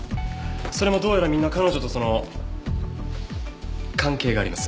それもどうやらみんな彼女とその関係があります。